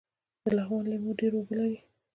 د لغمان لیمو ډیر اوبه لري